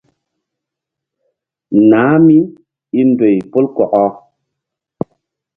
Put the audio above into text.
Nah míi ndoy pol kɔkɔ.